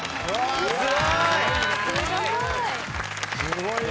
・すごい。